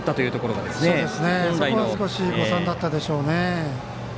やはりそこが誤算だったでしょうね。